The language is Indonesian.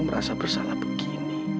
merasa bersalah begini